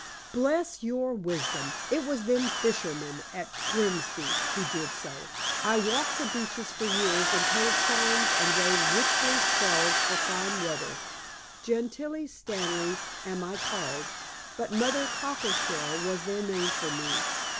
"Bless your wisdom, it was them fishermen at Grimsby who did so. I walked the beaches for years and told charms and gave witchly spells for fine weather. Gentilla Stanley am I called, but Mother Cockleshell was their name for me.